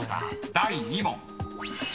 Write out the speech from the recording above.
［第２問］